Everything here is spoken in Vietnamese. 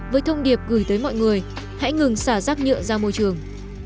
với thông điệp gửi tới mọi người hãy ngừng xả rác nhựa ra môi trường